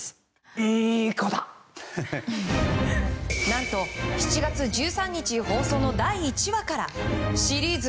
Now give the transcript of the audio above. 何と７月１３日放送の第１話からシリーズ